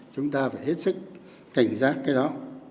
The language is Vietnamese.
chúng ta phải hết sức cảnh giác cái đó